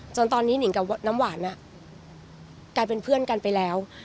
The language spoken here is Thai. จนตอนนี้หนิงกับน้ำหวานกลายเป็นเพื่อนกันไปแล้ว